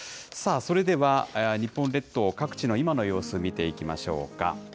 それでは、日本列島各地の今の様子、見ていきましょうか。